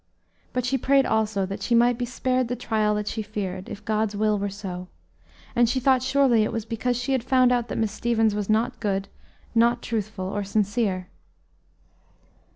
But she prayed, also, that she might be spared the trial that she feared, if God's will were so; and she thought surely it was because she had found out that Miss Stevens was not good, not truthful, or sincere.